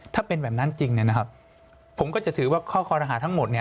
ถ้าเป็นแบบนั้นจริงผมก็จะถือว่าข้อคอรหาทั้งหมด